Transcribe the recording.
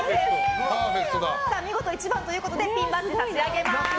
見事１番ということでピンバッジ差し上げます。